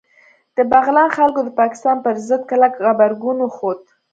د بغلان خلکو د پاکستان پر ضد کلک غبرګون وښود